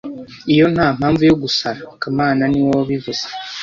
Iyo ntampamvu yo gusara kamana niwe wabivuze